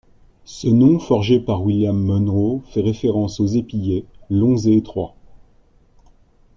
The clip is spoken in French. Ce nom forgé par William Munro fait référence aux épillets longs et étroits.